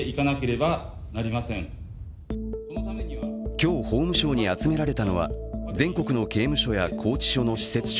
今日法務省に集められたのは全国の刑務所や拘置所の施設長